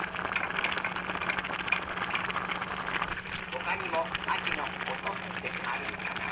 ほかにもあきの「おと」ってあるのかな。